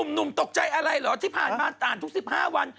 หนุ่มตกใจอะไรเหรอที่ผ่านมาอ่านทุก๑๕วัน